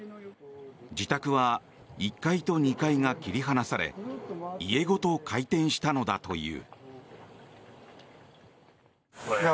自宅は１階と２階が切り離され家ごと回転したのだという。